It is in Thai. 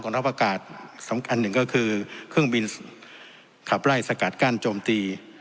ทัพอากาศสำคัญหนึ่งก็คือเครื่องบินขับไล่สกัดกั้นโจมตี